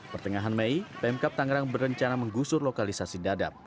pertengahan mei pemkap tangerang berencana menggusur lokalisasi dadap